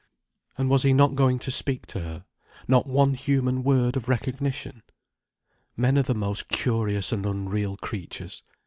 And was he not going to speak to her—not one human word of recognition? Men are the most curious and unreal creatures.